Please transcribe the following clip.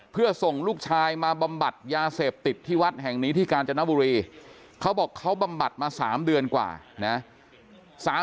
เพื่อส่งลูกชายมาบำบัดยาเสพติดที่วัดแห่งนี้ที่กาญจนบุรีเขาบอกเขาบำบัดมา๓เดือนกว่านะ